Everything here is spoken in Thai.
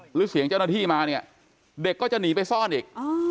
หรือเสียงเจ้าหน้าที่มาเนี่ยเด็กก็จะหนีไปซ่อนอีก